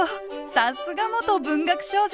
さすが元文学少女。